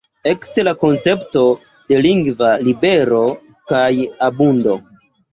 Ekce la koncepto de lingva libero kaj abundo.